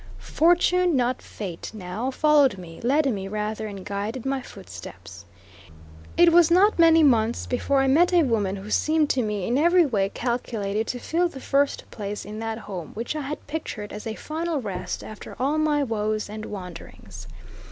Fortune, not fate now, followed me, led me rather and guided my footsteps. It was not many months before I met a woman who seemed to me in every way calculated to fill the first place in that home which I had pictured as a final rest after all my woes and wanderings.